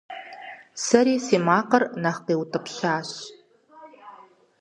Сэри си макъыр нэхъ къиутӀыпщащ.